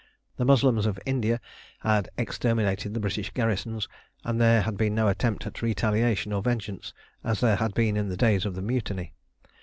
The Moslems of India had exterminated the British garrisons, and there had been no attempt at retaliation or vengeance, as there had been in the days of the Mutiny.